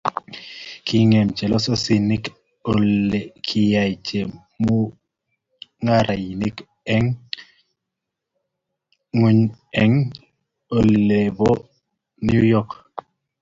Kingem chelososinik olegiyae chemungarain eng ngony eng olin bo New York